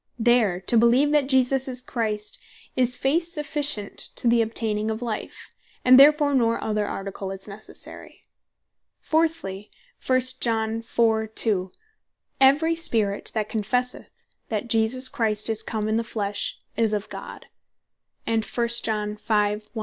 There, to beleeve that Jesus Is The Christ, is faith sufficient to the obtaining of life; and therefore no other Article is Necessary. Fourthly, 1 John 4. 2. "Every Spirit that confesseth that Jesus Christ is come in the flesh, is of God." And 1 Joh. 5. 1.